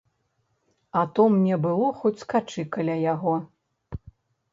А то мне было хоць скачы каля яго.